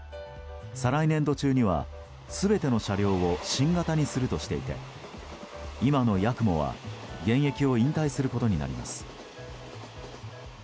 再来年度中には、全ての車両を新型にするとしていて今の「やくも」は現役を引退することになります。